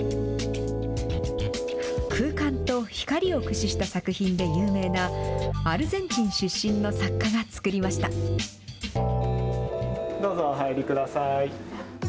空間と光を駆使した作品で有名なアルゼンチン出身の作家が作りまどうぞ、お入りください。